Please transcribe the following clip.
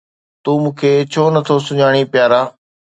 تون مون کي ڇو نٿو سڃاڻين پيارا؟